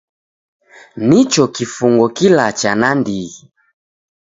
Nicho kifungo kilacha nandighi.